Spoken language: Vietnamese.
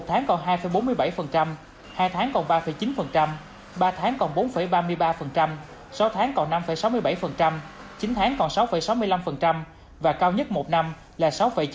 một tuần còn tám mươi một một tháng còn hai bốn mươi bảy hai tháng còn ba chín ba tháng còn bốn ba mươi ba sáu tháng còn năm sáu mươi bảy chín tháng còn sáu sáu mươi năm và cao nhất một năm là sáu chín mươi bốn